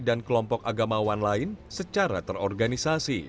dan kelompok agamawan lain secara terorganisasi